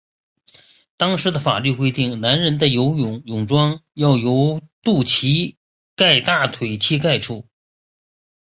当时的法律规定男人的泳装要由肚脐盖大腿膝盖处。